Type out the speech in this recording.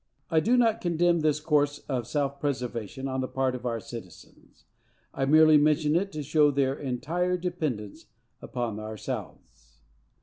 I do not condemn this course of self preservation on the part of our citizens; I merely mention it to show their entire dependence upon ourselves.